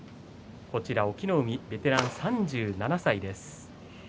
隠岐の海ベテラン３７歳です。